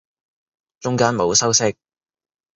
中間冇修飾